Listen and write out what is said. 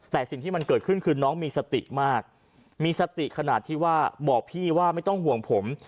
แต่สิ่งที่มันเกิดขึ้นคือน้องมีสติมากมีสติขนาดที่ว่าบอกพี่ว่าไม่ต้องห่วงผม